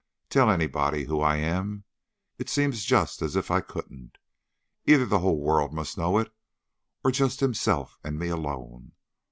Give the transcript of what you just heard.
Tell anybody who I am? It seems just as if I couldn't. Either the whole world must know it, or just himself and me alone.